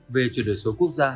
về chuyển đổi số quốc gia